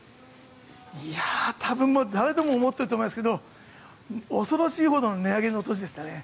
多分誰でも思っていると思いますが恐ろしいほどの値上げの年でしたね。